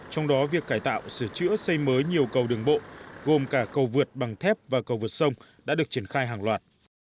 trong đó việc cải tạo sửa chữa xây mới nhiều cầu đường bộ gồm cả cầu vượt bằng thép và cầu vượt sông đã được triển khai hàng loạt